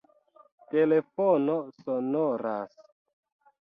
Telefono sonoras